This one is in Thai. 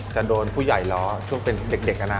จะโดนผู้ใหญ่ล้อช่วงเป็นเด็กนะ